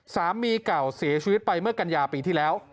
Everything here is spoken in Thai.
สามีเก่าเสียชีวิตไปเมื่อกัญญาปีที่แล้ว